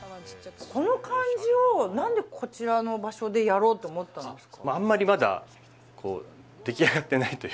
この感じを何でこちらの場所でやろうと思ったんですか？